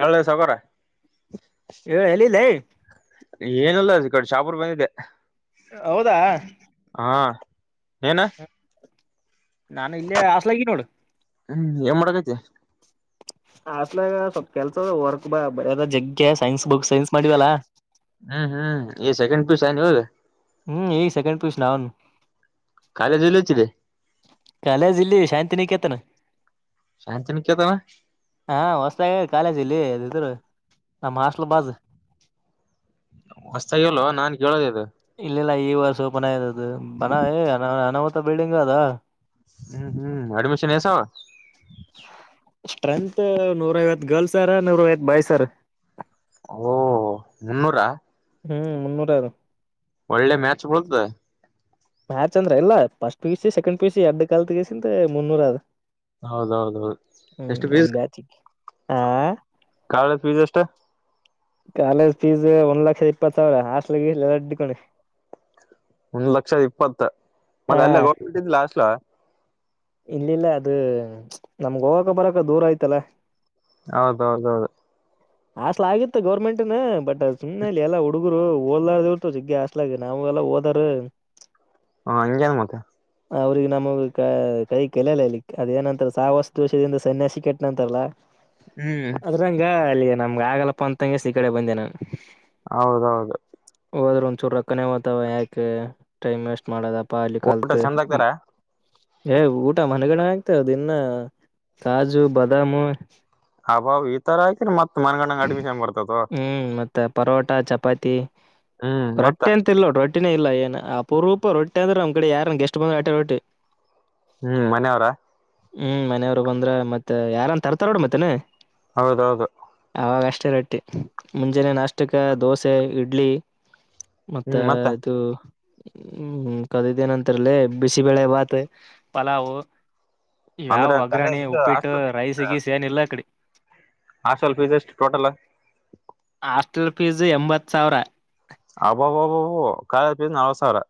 ಹೇಳ್ಲೇ ಸಾಹುಕಾರ. ಏ ಹೇಳೀಲೇ. ಏನಲ್ಲ ಅದ ಈ ಕಡೆ ಶಹಾಪೂರ ಬಂದಿದ್ದೆ. ಹೌದಾ. ಹಾ ಏನ. ನಾನು ಇಲ್ಲೇ ಹಾಸ್ಟೆಲ್ದಾಗ್ ಇದೆ ನೋಡು. ಹ್ಮ್ ಏನ್ ಮಾಡದೈತಿ. ಆತ್ಲಾಗ ಸ್ವಲ್ಪ ಕೆಲ್ಸ ವರ್ಕ್ ಬರದ ಜಗ್ಗೆ ಸೈನ್ಸ್ ಬುಕ್ ಸೈನ್ಸ್ ಮಾಡಿವಲ್ಲಾ. ಹಾ ಹಾ ಈ ಸೆಕೆಂಡ್ ಪಿಯುಸಿ [unintelligible] ಹೋಗ್ ಹ್ಮ್ ಈಗ್ ಸೆಕೆಂಡ್ ಪಿಯುಸಿ ನಾವೂನು. ಕಾಲೇಜ್ ಎಲ್ಲಿ ಹಚ್ಚಿದೀ. ಕಾಲೇಜ್ ಇಲ್ಲಿ ಶಾಂತಿ ನಿಕೇತನ. ಶಾಂತಿ ನಿಕೇತನ. ಹಾ ಹಾಸ್ಟೆಲ್ ನಾಗ ಕಾಲೇಜ್ ಇಲ್ಲಿ ಇದ್ರು ನಮ್ಮ್ ಹಾಸ್ಟೆಲ್ ಬಾಜು. [unintelligible] ನಾನ್ ಕೇಳೋದೇದು. ಇಲ್ಲ ಇಲ್ಲ ಈ ವರ್ಷ ಓಪನ್ ಆಗಿದೆ ಅದು ಬನ [unintelligible] ಅನಾಹುತ ಬಿಲ್ಡಿಂಗ್ ಅದ. ಹ್ಮ್ ಹ್ಮ್ ಅಡ್ಮಿಷನ್ ಎಸ್ ಅವ. ಸ್ಟ್ರೆಂತ್ ನೂರೈವತ್ತು ಗರ್ಲ್ಸ್ ಅರ ನೂರೈವತ್ ಬಾಯ್ಸ್ ಅರ. ಓ ಮುನ್ನೂರ. ಹ್ಮ್ ಮುನ್ನೂರು [unintelligible] ಒಳ್ಳೆ ಮ್ಯಾಚ್ ಬಿಳ್ತ. [unintelligible] ಮ್ಯಾಚ್ ಅಂದ್ರ ಎಲ್ಲ first P U C second P U C ಎಲ್ಲ ಬೇಕಾದರೂ ತಿಳಿಗಸಂದ ಮುನ್ನೂರ ಅ [unintelligible] ಹೌದೌದೌದು ಹೂ ಎಷ್ಟು ಫೀಸ್ ಒಂದ ಮ್ಯಾಜಿಕ್ ಆ [unintelligible] ಕಾಲೇಜ್ ಫೀಸ್ ಎಸ್ಟ್. [unintelligible] ಕಾಲೇಜ್ ಫೀಸ್ ಒಂದ್ ಲಕ್ಷದ ಇಪ್ಪತ್ತ ಸಾವಿರ ಹಾಸ್ಟೆಲ್ ನಲವತ್ತ ತಿಳ್ಕೊಳ್ಳಿ. [unintelligible] ಒಂದ ಲಕ್ಷ ಇಪ್ಪತ್ತ ಹ ಮತ್ತೆ ಅಲ್ಲೇ ಹೋಗತ್ತಿದಲಾ ಹಾಸ್ಟೆಲ್. [unintelligible] ಇಲ್ಲಿ ಇಲ್ಲ ಅದು ನಮಗ ಹೋಗಾಕ ಬರಾಕ ದೂರ ಆಯ್ತ ಅಲ್ಲಾ. [unintelligible] ಹೌದ ಹೌದ ಹೌದ. [unintelligible] ಹಾಸ್ಟೆಲ್ ಆಗಿತ್ತು ಗೌರ್ಮೆಂಟ್ನ ಬಟ್ ಸುಮ್ಮನೆ ಅಲ್ಲಿ ಎಲ್ಲಾ ಹುಡುಗರು ಓದಾಲರದ ಇರುತ್ತ ಜಗ್ಗೆ. [unintelligible] ಇತ್ತತಲ್ಲಾಗ ನಾವು ಎಲ್ಲಾ ಹೋದಾರು. [unintelligible] ಅವ್ವ ಹಂಗೆಮಾ. [unintelligible] ಅವರಿಗೆ ನಮಗ ಕ್ಯಾ. [unintelligible] ಕೈ ಕೆಲಲ್ಲ ಇಲ್ಲಿಕ್ ಅದೇ ಏನಂತ ಸಾಹವಾಸ ದೋಷದಿಂದ ಸನ್ಯಾಸಿ ಕೆಟ್ಟ ಅಂತಾರಲ್ಲಾ. [unintelligible] ಹೂ. [unintelligible] ಅದ್ರಂಗ ಅಲ್ಲಿ ನಮಗ ಆಗಲ್ಲಪ್ಪ ಅಂತಂಗೆಸಿ ಕಡೆ ಬಂದೆ ನಾನು. [unintelligible] ಹೌದ ಹೌದ. [unintelligible] ಹೋದ್ರ ಒಂದ ಚೂರು ರೊಕ್ಕನೇ ಹೊತ್ತವೆ ಯಾಕೆ ಟೈಮ್ ವೇಸ್ಟ್ ಮಾಡದಪ್ಪ ಅಲ್ಲಿ ಊಟ ಕಲ್ತ್. ಚಂದ ಹಾಕ್ತಾರ [unintelligible] ಏ ಊಟ ಮನೆಗಡೆ ಆಗ್ತದ ಇನ್ನ ಕಾಜು, ಬಾದಾಮು, [unintelligible] ಅಬ್ಬಾವ ಈ ಹಾಕಿದರ ಮತ್ತ ಮನಗಂಡ ಅಡ್ಮಿಷನ್ ಬರ್ತದೂ [unintelligible] ತ್ತೆ ಪರೋಟ, ಚಪಾತಿ, ಹ್ಮ್ ಮತ್ತ ರೊಟ್ಟೆ [unintelligible] ಇಟ್ಟಿಲ್ಲ ರೋಟ್ಟಿನೇ ಇಲ್ಲ ಏನ್ ಅಪರೂಪ ರೊಟ್ಟಿ ಅಂದ್ರೆ ನಮ್ಮ ಕಡೆ ಯಾರನ್ ಗೆಸ್ಟ್ ಬಂದರ ಆಟೆ ರೊಟ್ಟಿ. [unintelligible] ಹೂ ಮನೆ ಅವರಾ? [unintelligible] ಹೂ ಮನೆಯವರು ಬಂದರೆ ಮತ್ತ ಯಾರನ್ ತರ್ತಾರ ನೋಡ ಮತ್ತೇನ. [unintelligible] ಹೌದ ಹೌದು. [unintelligible] ಅವಾಗ ಅಷ್ಟೇ ರೊಟ್ಟಿ ಮುಂಜಾನೆ ನಾಷ್ಟಕ ದೋಸೆ, ಇಡ್ಲಿ. [unintelligible] ಮತ್ತ ಹ್ಮ್ ಮತ್ತೆ ಇದು ಹೂ ಕದಿದ್ದೇನಂತರಲ್ಲ ಬಿಸಿಬಳೆ ಬಾತ್. [unintelligible] ಪಲಾವು, ಯಾವ ಅಂದ್ರೆ ಒಗ್ಗರಣೆ, ಕಾಲೇಜ್ ಇದು ಉಪ್ಪಿಟ್ಟು, ಹಾಸ್ಟೆಲ್ ರೈಸ, ಗೀಸ ಏನ ಇಲ್ಲ ಅಕಡಿ. [unintelligible] ಹಾಸ್ಟೆಲ್ ಫೀಸ್ ಎಷ್ಟ ಟೋಟಲ್. [unintelligible] ಹಾಸ್ಟೆಲ್ ಫೀಸ್ ಎಂಬತ್ತ ಸಾವಿರ. [unintelligible] ಅಬ್ಬಅಬ್ಬವ್ ಕಾಲೇಜ್ ಫೀಸ್ ನಲ್ವತ್ತ ಸಾವಿರ. [unintelligible]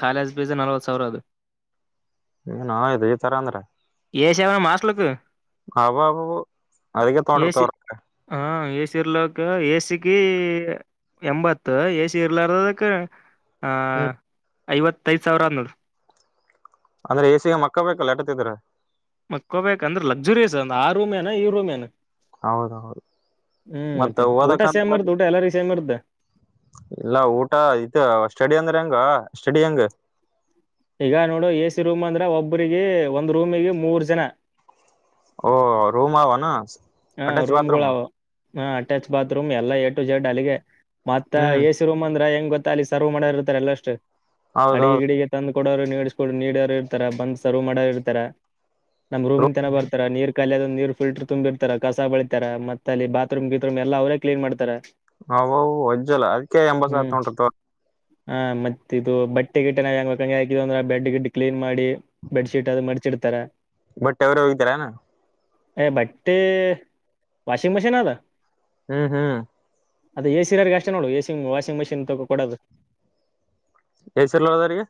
ಕಾಲೇಜ ಫೀಸ್ ನಲವತ್ತ ಸಾವಿರ ಅದು. [unintelligible] ಏನೋ ಇದ ಇತರ ಅಂದ್ರ. [unintelligible] ಎಸಿ ಅವ ನಮ್ ಹಾಸ್ಟೆಲ್ಕ್ ಅಬ್ಬಅಬ್ಬವ್ ಅದಕ್ಕೆ ತೋಗೋನಂಡಿರ ತೊಗರ. [unintelligible] ಹ ಎಸಿ ಇರ್ಲಕ್ಕ ಎಸಿಗೆ. [unintelligible] ಎಂಬತ್ತ ಎ ಸಿ ಇರ್ಲಾರದಕ್ಕ ಆ ಹ್ಮ್ ಐವತ್ತೈದ ಸಾವಿರ ಅನ್ನದರು. [unintelligible] ಅಂದ್ರೆ ಎ ಸಿಗ ಮಕ್ಕಬೇಕಲ್ಲ ಎಟೋತ್ತಿದರೂ. [unintelligible] ಮಲಕ್ಕೊಬೇಕಂದ್ರ ಲಗ್ಸುರಿಯಸ್ ಅಂದ ಆ ರೂಮ್ ಏನ್ ಈ ರೂಮ್ ಏನ್. ಹೌದೌದು [unintelligible] ಹೂ ಮತ್ತ ಮತ್ತೆ ಊಟ ಸೇಮ ಓದಕಂತ ಇರುತ್ತ ಊಟ ಎಲ್ಲಾರಿಗೂ ಸೇಮ ಇರುತ್ತೆ. [unintelligible] ಇಲ್ಲ ಊಟ ಇತ ಸ್ಟೆಡಿ ಅಂದ್ರೆ ಹೆಂಗ ಸ್ಟೆಡಿ ಹೆಂಗ. [unintelligible] ಈಗ ನೋಡು ಎ ಸಿ ರೂಮ್ ಅಂದ್ರ ಒಬ್ಬರಿಗೆ ಒಂದ್ ರೂಮಿಗೆ ಮೂರ್ ಜನ. [unintelligible] ಓ ರೂಮ ಅವನ. [unintelligible] ಹ ರೂಮ್ ಗಳ ಬಾತ್ರೂಮ್ ಅವ ಹ ಅಟ್ಯಾಚ್ ಬಾತ್ರೂಮ್ ಎಲ್ಲ ಏಟು ಝೆಡ್ ಅಲ್ಲಿಗೆ ಮತ್ತ A C hmm [unintelligible] A C room ಅಂದ್ರ ಹೆಂಗ್ ಗೊತ್ತ ಅಲ್ಲಿ ಸರ್ವ್ ಮಾಡೋರ್ ಇರ್ತಾರ ಎಲ್ಲ ಸ್ಟೈಲ್ ಅಡಿಗೆ ಹೌದೌದು ಗಿಡಿಗಿ [unintelligible] ತಂದ್ ಕೊಡೋರು ನೀಸ್ಕೊಂಡ ನೀಡೋರು ಇರ್ತಾರ ಬಂದ್ ಸರ್ವ್ ಮಾಡೋರ ಇರ್ತಾರ. [unintelligible] ನಮ್ಮ ರೂಮಿನ ತನಾ ಬರ್ತರ ನೀರ ಖಾಲಿ ಆದರ ನೀರ ರ್ಫಿಲ್ಟರ್ ತುಂಬಿ [unintelligible] ಕಸ ಬಳಿತಾರಮತ್ತ ಅಲ್ಲಿ ಬಾತ್ತ್ರೂಮ್ ಗಿತ್ರೂಮ್ ಎಲ್ಲ ಅವರೇ ಕ್ಲೀನ್ ಮಾಡ್ತಾರ. ಅಬ್ಬಾ ಬವಜ್ಜಲ ಅದ್ಕೆ ಎಂಬತ್ ಸಾವಿರ ತೋಗಂಡಾರ ತಗೋ. ಹಾ ಮತ್ತೆ ಇದು ಬಟ್ಟೆ ಗಿಟ್ಟೇಗೇ ನಾವು ಹೆಂಗ ಕೈ ಹಾಕಿವ್ವ್ ಅಂದ್ರೇ ಬೆಡ್ ಗಿಡ್. ಕ್ಲೀನ್ ಮಾಡಿ ಬೆಡ್ಶೀಟ್ ಅದು ಮಡಚಿಡ್ತಾರ. ಬಟ್ಟಿಅವ್ರೆ ಹೋಗಿತಾರೇನ್. ಎ ಬಟ್ಟೆ ವಾಶಿಂಗ್ ಮಷೀನದ. ಹ್ಮ್ ಹ್ಮ್. ಅದೇ ಎಸಿ ನವರಿಗಸ್ಟೇ ನೋಡು A C washing machine machine ತಕ ಕೊಡೋದು. ಎ ಸಿ ಇರ್ಲಾರದೋರ್ಗೆ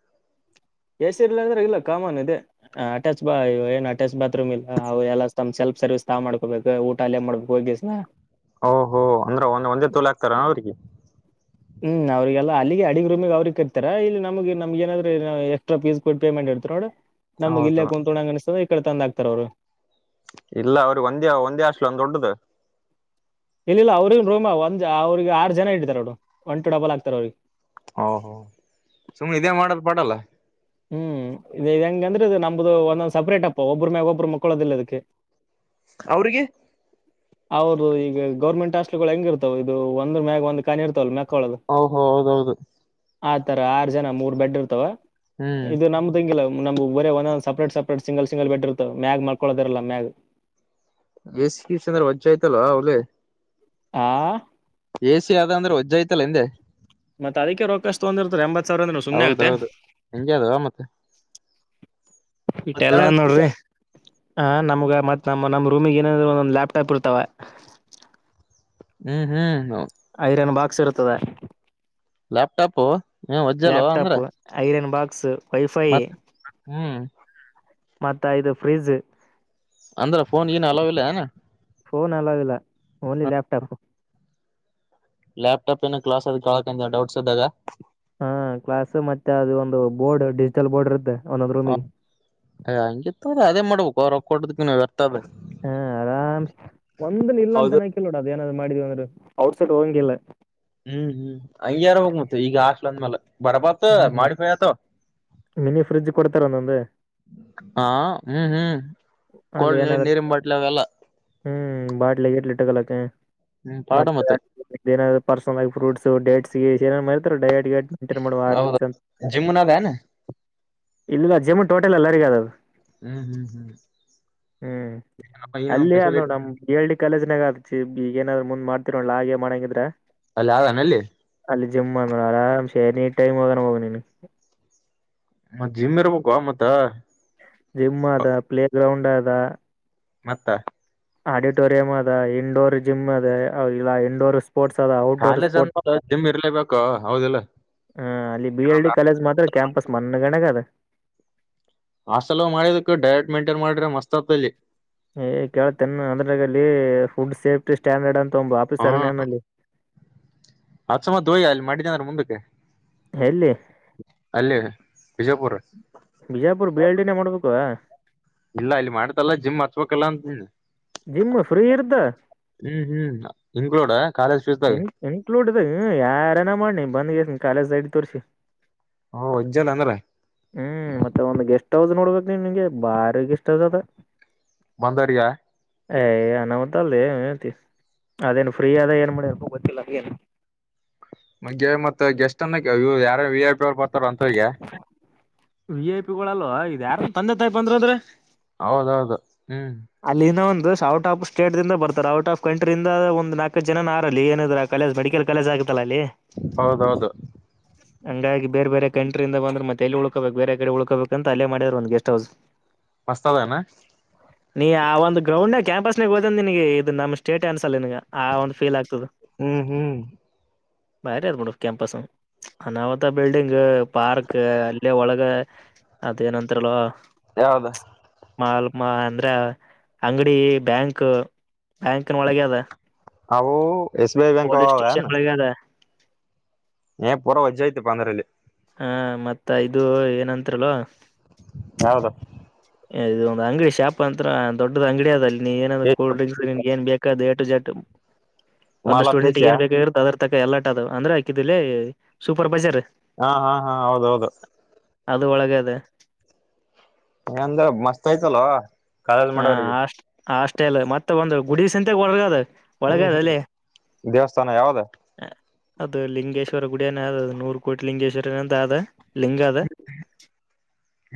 ಎಸಿ ಇಲ್ಲ್ರಾದವರಿಗೆಇಲ್ಲ ಕಾಮನ್ ಇದೆ. ಹ ಅಟ್ಯಾಚ್ ಬಾತ್ ಏನ್ ಅಟ್ಯಾಚ್ ಬಾತ್ರೂಮ್ ಇಲ್ಲ ಅವ್ ಎಲ್ಲಾ ತಮ್ ಸಲ್ಫ್ ಸರ್ವಿಸ್ ತಾವ್ ಮಾಡ್ಕೋಬೇಕು ಊಟ ಅಲ್ಲೇ ಮಾಡ್ಬೇಕು ಹೋಗಿ. ವಾ. [inaudible] ಓಹೋ ಅಂದ್ರೆ ಒಂದ್ ಒಂದೇ ತೋಲ ಆಕ್ತಾರ ಅವ್ರಿಗೆ. ಹ್ಮ್, ಅವ್ರರಿಗೆಲ್ಲ ಅಲ್ಲಿಗೆ ಅಡಿಗೆ ರೂಮಿಗೆ ಅವ್ರಗ್ ಇರ್ತಾರ ಇಲ್ಲಿ ನಮಗೆ ನಮ್ಗ ನಾದ್ರೂ ಎಕ್ಸ್ಟ್ರಾ ಪೀಸ್ ಕೊಟ್ಟು ಪೇಮೆಂಟ್ ಮಾಡಿರ್ತಿವಿ ನೋಡ ನಮ್ ಇಲ್ಲೇ ಹೌದು ಕುಂತುಣ್ಣಂಗ ಅನಿಸ್ತದ ಈ ಕಡೆ ತಂದ ಹಾಕ್ತಾರ ಅವರು. ಇಲ್ಲ ಅವ್ರಿಗೆ ಒಂದೇ ಒಂದೇ ಹಾಸ್ಟೆಲ್ನ್ ದೊಡ್ಡದು. ಇಲ್ಲ್ ಇಲ್ಲ ಅವ್ರೇ ಒಂದ್ ರೂಮ್ ಒಂದ್ ಅವ್ರಿಗೆ ಆರು ಜನ ಇದ್ದಾರೆ. ಅವರು ಒಂಟು ಡಬಲ್ ಆಗ್ತಾರೆ ಅವ್ರಿಗೆ. ಹಾ, ಹಾ ಸುಮ್ಮನೆ ಇದೇ ಮಾಡದು ಪಾಡಲ್ಲ. ಹ್ಮ್, ಇದ್ ಹೆಂಗ ಅಂದ್ರೆದು ನಮ್ಮ್ದು ಒಂದ ಸಪ್ರೇಟ್ ಅಪ್ಪ ಒಬ್ರ ಮೇಲೆ ಒಬ್ರು ಮುಕ್ಕಳೋದಿಲ್ಲ ಇದಕ್ಕೆ. ಅವ್ರಿಗಿ ಹೌದು ಈಗ ಗೌರ್ಮೆಂಟ್ ಹಾಸ್ಟಲ್ ಗಳು ಹೆಂಗ ಇರ್ತಾವ ಇದು ಒಂದ್ ಮ್ಯಾಗ ಒಂದು ಮ್ಯಾಗ್ ಕಾನಿ ಇರ್ತವಲ್ಲ ಮೆಕ್ಕ ಒಳಗ. ಓಹೋ, ಹೋ ಹೌದೌದು. ಆತರ ಆರು ಜನ ಮೂರ್ ಬೆಡ್ ಇರ್ತವ. ಹ್ಮ್ ಇದು ನಮ್ದಂಗಿಲ್ಲ ನಮ್ ಬರೆ ಒಂದಂದು separate separate single single bed ಇರ್ತ್ತ ಮ್ಯಾಲ ಮಲ್ಕೋಳ್ಳದಿರಲ್ಲ ಮ್ಯಾಗ್. ಎ ಸಿ ಗಿ ಸಿ ಅಂದ್ರೇ ವಜ್ಜ ಆಯ್ತಲ್ಲೋ ಹುಲಿ.. ಆ ಎ ಸಿ ಆದ ಅಂದ್ರೆ ವಜ್ಜ ಐತಲ್ಲ ಅಂದೆ. ಮತ್ ಅದಕ್ಕೆ ರೊಕ್ಕ ಅಷ್ಟೊಂದ್ ತಗೊಂಡು ಇರ್ತಾರೆ ಎಂಬತ್ ಸಾವಿರ ಅಂದ್ರೇ ಸುಮ್ನೆ ಆಗುತ್ತೇನ್. ಹೌದೌದು ಹೆಂಗೆ ಅದು ಮತ್ತೆ ಇಟೆಲ್ಲಾ ನೋಡ್ದೆ ಹ ನಮ್ಗ್ ಮತ್ ನಮ್ಮ ರೂಮಿಗೆ ಏನಾದ್ರು ಒಂದೊಂದು ಲ್ಯಾಪ್ಟಾಪ್ ಇರ್ತಾವ. ಹ್ಮ್ ಹ್ಮ್ ಹ್ಮ್. ಐರನ್ ಬಾಕ್ಸ್ ಇರ್ತದ. ಲಾಪ್ಟಾಪ್ ಏನ್ ವಜ್ಜಿ ಅಲ್ಲೋ ಅಂದ್ರ. ಲ್ಯಾಪ್ಟಾಪ್ ಐರನ್ ಬಾಕ್ಸ್ ವೈಫೈ ಮತ್ ಹ್ಮ್ ಮತ್ತ ಇದು ಫ್ರಿಜ್. ಅಂದ್ರ ಫೋನ್ ಗೀನ್ ಅಲೋ ಇಲ್ಲೆನ್. ಫೋನ್ ಅಲೋ ಇಲ್ಲ ಓನ್ಲಿ ಲ್ಯಾಪ್ಟಾಪ್. ಲಾಪ್ಟಾಪ್ ಏನೋ ಕ್ಲಸ್ ಅದು ಕ್ಲಾಸ್ ಕೇಳೋಕಂತ ಡೌಟ್ಸ್ ಇದ್ದಾಗ. ಹಾ ಕ್ಲಾಸ್ ಮತ್ತೆ ಅದು ಒಂದು ಬೋರ್ಡ್ ಡಿಜಿಟಲ್ ಬೋರ್ಡ್ ಇರುತ್ತೆ ಒಂದೊಂದು ರೂಮಿಗೆ. ಹಂಗಿತ್ತಂದ್ರಅದೇ ಮಾಡ್ಬೇಕು ಅದೇ ಮಾಡ್ಬೇಕೊ ರೋಕ್ಕ್ ಕೊಡದಕ್ಕಿನ ವ್ಯರ್ಥ ಬೇರೇ. ಹಾ ಆರಾಮ್ ಒಂದನ್ ಇಲ್ಲ ಹೌದು ಅಂತನ್ನ ಕಿಲ್ಲಾನೊಡು ಅದ್ ಏನಾದ್ ಮಾಡೀವಿ ಅಂದ್ರೇ ಔಟ್ಸೈಡ್ ಹೋಗಂಗಿಲ್ಲ. ಹ್ಮ್, ಹ್ಮ್ ಹಂಗೇಇರ್ಬೇಕು ಮತ್ತೇ ಈಗ ಹಾಸ್ಟೆಲ್ ಅಂದ್ಮೇಲೆ. ಬರಬರತ ಮಾಡಿಪೈಆತವ ಮಿನಿ ಫ್ರಿಜ್ ಕೊಡ್ತಾರ ಒಂದೊಂದು ಹಾ ಹ್ಮ್ ಹ್ಮ್. ಅಲ್ಲಿ ಕೋಲ್ಡ್ ನೀರ್ ಏನಾದ್ರು ನೀರಿನ್ ಬಾಟ್ಲಿ ಅವೆಲ್ಲ ಹ್ಮ್ ಬಾಟ್ಲಿ ಗೀಟ್ಲಿ ಇಟ್ಕೊಳ್ಳಕ್ಕ. ಹ್ಮ್ ಪಾಡ ಮತ್ತೆ ಏನಾದರು ಪರ್ಸನಲ್ ಆಗಿ ಫ್ರೂಟ್ಸ್ ಡೇಟ್ಸ್ ಗೀಟ್ಸ್ ಏನೇನ್ನ ಹೇಳ್ತರ ಡಯಟ್ ಗಿಯೇಟ್. ಹೌದಾ ಜಿಮ್ನ ಅದೇನ [unintelligible] ಇಲ್ಲ ಜಿಮ್ ಟೋಟಲ್ ಎಲ್ಲರಿಗ್ ಅದ ಅದು. ಹ್ಮ್ ಹ್ಮ್ ಹ್ಮ್. [unintelligible] ಬಿಎಲ್ಡಿ ಕಾಲೇಜನಾಗ ಆಗತ್ರಿ ಬಿ ಏನಾದ್ರು ಮುಂದ್ ಮಾಡ್ತಿರಲ್ಲ ಲಾ ಎ ಮಾಡಂಗಿದ್ರ. ಅಲ್ಲ ಆದನ ಅಲ್ಲಿ. ಅಲ್ಲಿ ಜಿಮ್ ಅರಾಮ ಸೇ ಏನೀ ಟೈಮನ್ನ ಹೋಗು ನೀನು. ಮತ್ ಜಿಮ್ ಇರ್ಬೇಕ್ವಾ ಮತ್ತ. ಜಿಮ್ ಅದ ಪ್ಲೇಗ್ರೌಂಡ್ ಅದ. ಮತ್ತ. ಆಡಿಟೋರಿಯಂ ಅದ ಇಂಡೋರ್ ಜಿಮ್ ಅದ ಇಲಾ ಇಂಡೋರ್ ಪೋರ್ಟ್ಸ್ ಅದಾವು. ಕಾಲೇಜ್ ಅಂದ್ಮ್ಯಾಲ ಜಿಮ್ ಇರ್ಲೇಬೇಕೊ ಹೌದಿಲ್ಲೊ. ಹ ಅಲ್ಲಿ ಬಿಎಲ್ಡಿ ಕಾಲೇಜ್ ಮಾತ್ರ ಕ್ಯಾಂಪಸ್ ಮನ್ನಗಂಡ ಆಗೇದ. ಹಾಸ್ಟೆಲ್ಲ ಅದು ಮಾಡಿದಕ್ ಡಯಟ್ ಮೆಂಟೈನ್ ಮಾಡಿದ್ರ ಮಸ್ತ್ ಆತದ ಅಲ್ಲಿ. ಏ ಕೇಳತ್ತೇನ್ ಆದ್ರಾಗ ಅಲ್ಲಿ ಫುಡ್ ಸೇಫ್ಟಿ ಸ್ಟ್ಯಾಂಡರ್ಡ್ ಅಂತ ಒಬ್ಬ ಆಫೀಸರ್ನೇನ ಅಲ್ಲಿ. ಹಚ್ಚ ಮತ್ತ ಹೋಗಿ ಅಲ್ಲಿ ಮಾಡಿದ್ದೆಂದ್ರೆ ಮುಂದಕ್ಕೆ. ಎಲ್ಲಿ. ಅಲ್ಲಿ ಬಿಜಾಪುರ್. ಬಿಜಾಪುರ ಬಿಎಲ್ಡಿ ನೆ ಮಾಡ್ಬೇಕಾ. ಇಲ್ಲಾ ಇಲ್ಲಿ ಮಾಡಿತ್ತಲ್ಲ ಜಿಮ್ ಹಚ್ಬೇಕಲ್ಲ ಅಂತಿ ಹೇಳಿ. ಜಿಮ್ ಫ್ರೀ ಇರ್ದ ಹ್ಮ್ ಹ್ಮ್ ಇನ್ಕ್ಲೂಡಾ ಕಾಲೇಜ್ ಫೀಸ್ದಾಗ. ಇನ್ಕ್ಲೂಡಿದೀವಿ ಯಾರನ ಮಾಡನಿ ಬಂದಕ್ಕೇಸಿಂದ್ ಕಾಲೇಜ್ ಐಡಿ ತೋರ್ಸಿ. ಓ ಉಜ್ಜನ ಅಂದ್ರ. ಹ್ಮ್ ಮತ್ತೆ ಒಂದ್ ಗೆಸ್ಟ್ ಹೌಸ್ ನೋಡ್ಬೇಕ್ ನೀನಗೆ ಬಾರಿ ಗೆಸ್ಟ್ ಹೌಸ್ ಅದ. ಮಂದಾರಿಯ. ಯ ಅನವತ್ ಅಲ್ಲೆ ಅವ್ನ್ ಹೆಂತಿ ಅದೇನ್ ಫ್ರೀ ಅದ ಏನ್ ಮಾಡಿಬೇಕೋ ಗೊತ್ತಿಲ್ಲ ಅದೇನ್. ಮಂಜ ಮತ್ತ ಗೆಸ್ಟ್ ಅನ್ನಾಕ ಇವ ಯಾರರ ವಿಐಪಿ ಅವರು ಬರ್ತಾರ ಅಂತವ್ರಿಗ್ಯಾ. ವಿಐಪಿಗಳಲ್ಲೊ ಇದ ಯಾರರ ತಂದೆ ತಾಯಿ ಬಂದ್ರ ಅಂದ್ರ. ಹೌದೌದು ಹ್ಮ್. ಅಲ್ಲಿನ ಒಂದುಸ ಔಟ್ ಆಫ್ ಸ್ಟೇಟ್ ದಿಂದ ಬರ್ತಾರ ಔಟ್ ಆಫ್ ಕಂಟ್ರಿಯಿಂದ ಒಂದ್ ನಾಕ್ಕಜನ ನಾರ ಅಲ್ಲಿ ಏನಿದ್ರಾಗ. ಕಲಿಯೋದ ಮೆಡಿಕಲ್ ಕಾಲೇಜ್ ಆಗತ್ತಲ್ಲಾ ಅಲ್ಲಿ. ಹೌದೌದು. [unintelligible] ಹಂಗಾಗಿ ಬೇರ್ ಬೇರೆ ಕಂಟ್ರಿಯಿಂದ ಬಂದ್ರ ಮತ್ತ ಎಲ್ಲಿ ಉಳ್ಕೊಬೇಕ್ ಬೇರೆ ಕಡೆ ಉಳ್ಕೊಬೇಕಂತ ಅಲ್ಲೇ ಮಾಡ್ಯಾರ ಒಂದ ಗೆಸ್ಟ್ ಹೌಸ್. ಮಸ್ತದಾನ. ನೀ ಆ ಒಂದ ಗ್ರೌಂಡ್ನ್ಯಾಗ್ ಕ್ಯಾಂಪಸ್ನಾಗ ಹೋದಂದೆ ನಿನಗೆ ಇದ ನಮ್ ಸ್ಟೇಟೆ ಅನ್ಸಲ್ ನಿನಗ. ಆ ಒಂದ ಫೀಲ್ ಆಗ್ತದ ಹ್ಮ್ ಹ್ಮ್ ಬಾರಿ ಅದ ಬಿಡು ಕ್ಯಾಂಪಸನು. ಅನಾಹುತ ಬಿಲ್ಡಿಂಗ್ ಪಾರ್ಕ್ ಅಲ್ಲೇ ಒಳಗ ಅದ ಏನಂತಾರಲೊ. ಯಾವ್ದ. ಮಾಲ್ ಮಾ ಅಂದ್ರ ಅಂಗಡಿ ಬ್ಯಾಂಕ್ ಬ್ಯಾಂಕ್ನ ಒಳಗೆ ಅದ. ಅವು ಎಸಬಿಐ ಪೊಲೀಸ್ ಅವವೇನ. [unintelligible] ಏ ಪೂರಾ ವಜ್ಜಿ ಆಯ್ತಿ ಬಂದ್ರಿಲ್ಲಿ. ಹಾ ಮತ್ತ ಇದು ಏನಂತಾರಲೋ. ಯಾವ್ದ. ಇದು ಒಂದ ಅಂಗಡಿ ಶಾಪ ಅಂತ್ರ ದೊಡ್ಡದ ಅಂಗಡಿ ಅದ ಅಲ್ಲಿ ನೀ ಏನಂದ್ರ ಕೂಲ್ ಡ್ರಿಂಕ್ಸ್ ನಿನಗ್ ಏನ್ ಬೇಕ ದ ಏ ಟು ಜೆಡ್ ಒಂದು ಮಾಲಾ ಸ್ಟೂಡೆಂಟ್ಗ ಪೇಶಿಯ ಏನ್ ಬೇಕಾಗಿರುತೊ ಅದ ತಕ್ಕ ಎಲ್ಲಾಟ ಅದವು ಅಂದ್ರ ಆಕಿದಲ್ಲಿ ಸೂಪರ್ ಬಜರ್. ಹಾ ಹಾ ಹಾ ಹೌದ್ ಹೌದು. ಅದು ಒಳಗೆ ಅದೆ. ಏಂದ್ರ ಮಸ್ತ್ ಆಯ್ತಲೊ. ಹ ಅ ಅಷ್ ಹಾಸ್ಟೆಲು ಮತ್ತೆ ಒಂದು ಗುಡಿಸಂತೆಗ್ ಒಳಗಾದ. ಹ್ಮ್ ಹ್ಮ್ ದೇವಸ್ಥಾನ ಯಾವದ. ಅದು ಲಿಂಗೇಶ್ವರ ಗುಡಿಯನೇ ಅ ಅದು ನೂರು ಕೋಟಿ ಲಿಂಗೇಶ್ವರನ ಅಂತ ಆದ. ಲಿಂಗಾದ.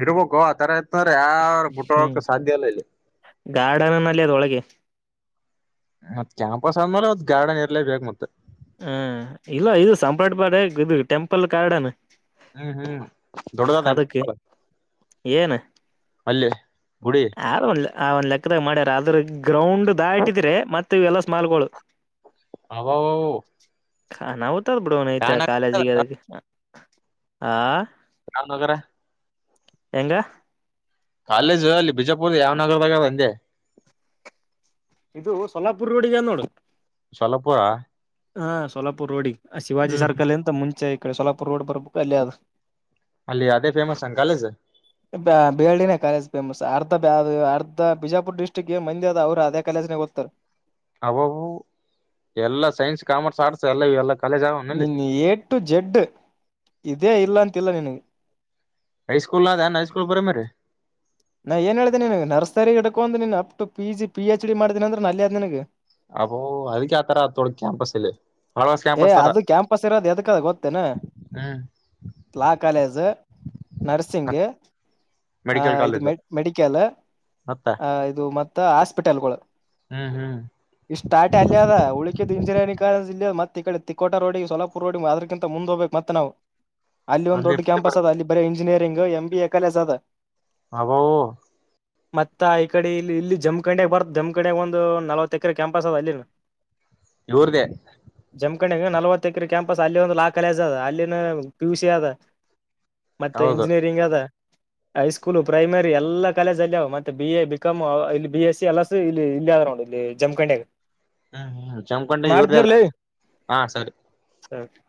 ಇರ್ಬೇಕೋ ಆತರ ಇತ್ ಅಂದ್ರ ಯಾರು ಬುಟ್ ಹ್ಮ್ ಹೋಗಾಕು ಸಾದ್ಯ ಇಲ್ಲ ಇಲ್ಲಿ. ಗಾರ್ಡನ್ ನಲ್ಲಿ ಅದ್ರೊಳಗೆ. ಮತ್ ಕ್ಯಾಂಪಸ್ ಅಂದ್ಮೇಲೆ ಒತ್ ಗಾರ್ಡನ್ ಇರ್ಲೆಬೇಕ್ ಮತ್ತೆ. ಹ ಇಲ್ಲ ಇದು ಸಂಪ್ರಾರ್ಟ್ ಬಾಡ ಇದು ಟೆಂಪಲ್ ಗಾರ್ಡನ್. ಹ್ಮ್ ಹ್ಮ್ ದೊಡ್ಡದದಂಟ ಅದಕ್ಕೆ ಏನ್ ಅಲ್ಲಿ ಗುಡಿ. ಯಾರ ಒಂದ ಆ ಒಂದು ಲೆಕ್ಕದಾಗ ಮಾಡ್ಯಾರ ಅದ್ರ ಗ್ರೌಂಡ್ ದಾಟಿದ್ರೆ ಮತ್ತ ಇವೆಲ್ಲ ಸ್ಮಾಲ್ಗಳು. [inaudible] ಹಬ ಬ ಬ ಬ. ಅನಾವುತ ಆದ ಬಿಡೋ ಅವ್ನೇತಿ ಆ ಕಾಲೇಜಿಗೆ ಆಗ ಹಾ. ರಾಮನಗರ ಹೆಂಗ ಕಾಲೇಜು ಅಲ್ಲಿ ಬಿಜಾಪುರದ ಯಾವ ನಗರದಾಗ ಅವ ಅಂದೆ. ಇದು ಸೊಲ್ಲಾಪುರ್ ರೋಡಿಗೆ ಆದ ನೋಡು. ಸೊಲ್ಲಪುರಾ. ಹಾ ಸೋಲಾಪುರ್ ರೋಡಿಗಿ ಶಿವಾಜಿ ಹ್ಮ್ ಸರ್ಕಲ್ಲಿಂತ ಮುಂಚೆ ಈ ಕಡೆ ಸೋಲಾಪುರ್ ರೋಡ್ ಬರ್ಬೇಕು ಅಲ್ಲೇ ಅದ. ಅಲ್ಲಿ ಅದೇ ಫೇಮಸ್ಸನ್ ಕಾಲೇಜು. [inaudible] ಬ ಬೇಳ್ಳಿನೇ ಕಾಲೇಜ್ ಫೇಮಸ್ ಅರ್ಧ ಕ ಅರ್ಧ ಬಿಜಾಪುರ್ ಡಿಸ್ಟ್ರಿಕ್ ಗೆ ಮಂದ ಅದ ಅವರು ಅದೇ ಕಾಲಜನೆ ಓತ್ತಾರ. ಅ ಬ ಬ ಬ ಎಲ್ಲ ಸೈನ್ಸ್ ಕಾಮರ್ಸ್ ಆರ್ಟ್ಸ್ ಎಲ್ಲ ಇಲ್ಲ ನಿನ್ ಏಟು ಜೆಡ್ ಇದೇ ಇಲ್ಲ ಅಂತಿಲ್ಲ ನಿನಗ. ಹೈ ಸ್ಕೂಲ್ ಆದಾನ್ ಹೈ ಸ್ಕೂಲ್ ಪ್ರೈಮರಿ. ನಾ ಏನು ಹೇಳ್ದೇ ನಿನಗ ನರ್ಸರಿ ಇಟ್ಕೊಂದ ನೀನ್ up to P G P H D ಮಾಡ್ದಿನಂದ್ರ ಅಲ್ಲೇ ಆದ್ ನಿನಗ. ಅ ಬ ಬ ಬ ಬ ಅದಕ್ಕೆ ಅತ್ರರ ತೊ ಕ್ಯಾಂಪಸ್ ಇಲ್ಲಿ. ಹಳವಸ್ ಏ ಕ್ಯಾಂಪಸ್ ತರ ಅದು ಕ್ಯಾಂಪಸ್ ಇರೋದು ಎದಕ್ಕ ಅದ ಗೊತ್ತೇನ. ಹ್ಮ್ ಲಾ ಕಾಲೇಜು ಮತ್ ನರ್ಸಿಂಗು. ಮೆಡಿಕಲ್ ಇ ಕಾಲೇಜ ಮೆ ಮೆಡಿಕಲ್ ಆ ಇದು ಮತ್ತ ಹಾಸ್ಪಿಟಲ್ಗಳು. ಹಾ ಹ್ಮಾ ಇಷ್ಟ ಸ್ಟಾರ್ಟಿ ಅಲ್ಲೇ ಅದ ಉಳಕಿದು ಇಂಜಿನಿಯರಿಂಗ್ ಕಾಲೇಜ ಇಲ್ಲೇ ಆದ ಮತ್ತ ಈಡೆ ತಿಕೋಟ ರೋಡಿಗೆ ಸೊಲಪ ಪುರೋಡಿ ಅದರಕ್ಕಿಂತ ಮುಂದ ಹೋಗ್ಬೇಕ ಮತ್ತೆ ನಾವು. ಅಲ್ಲಿ ಒಂದ್ ದೊಡ್ಡ ಕ್ಯಾಂಪಸ್ ಅದ ಅಲ್ಲಿ ಬರೀ engineering M B A college ಅದ. ಹ ಬ ಬ ಬ. ಮತ್ತ ಆ ಈ ಕಡೆ ಇಲ್ಲಿ ಇಲ್ಲಿ ಜಮ್ಖಂಡ್ಯಗ್ ಬರ್ತ್ ಜಮ್ಖಂಡಾಗ ಒಂದು ನಲವತ್ತ್ ಎಕರೆ ಕ್ಯಾಂಪಸ್ ಅದ ಅಲ್ಲಿನು. [inaudible] ಇಲ್ಲೋಡಿದೆ. ಜಮ್ಖಂಡಿಗ ನಲವತ್ತ ಎಕರೆ ಕ್ಯಾಂಪಸ್ ಅಲ್ಲಿ ಒಂದು ಲಾ ಕಾಲೇಜ್ ಅದ ಅಲ್ಲಿನ ಪಿ ಯು ಸಿ ಅದ. ಮತ್ತೆ ಹೌದು ಇಂಜಿನಿಯರಿಂಗ್ ಅದ ಹೈಸ್ಕೂ ಸ್ಕೂಲ್ ಪ್ರೈಮರಿ ಎಲ್ಲಾ ಕಾಲೇಜ್ ಅಲ್ಲಿ ಮತ್ತೆ ಬಿ ಎ ಬಿ ಕಾಮ್ ಇಲ್ಲಿ ಬಿ ಎಸ್ ಸಿ ಎಲ್ಲಾ ಇಲ್ಲಿ ಇಲ್ಲಿ ಆದ್ರೆ ನೋಡ್ ಇಲ್ಲಿ. ಜಮಖಂಡಿ ಯಾಗ. ಹ್ಮಹ್ಮ ಜಮಖಂಡಿ ಇವರೇ ದೇ ಅಲಾ ಸರಿ [unintelligible]